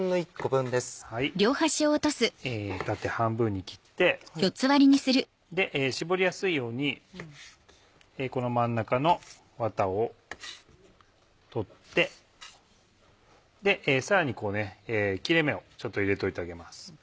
縦半分に切って搾りやすいようにこの真ん中のワタを取ってさらにこう切れ目をちょっと入れておいてあげます。